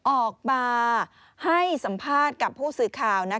ออกมาให้สัมภาษณ์กับผู้สื่อข่าว